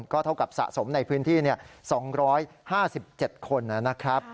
ก็เท่ากับสะสมในพื้นที่๒๕๗คน